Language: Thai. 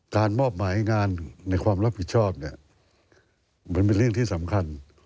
มอบหมายงานในความรับผิดชอบเนี่ยเหมือนเป็นเรื่องที่สำคัญ